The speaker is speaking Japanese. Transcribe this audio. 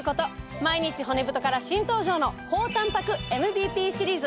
毎日骨太から新登場の高たんぱくＭＢＰシリーズ。